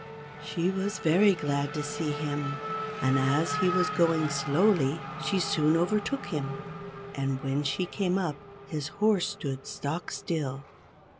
She was very glad to see him, and as he was going slowly, she soon overtook him; and when she came up, his horse stood stock still.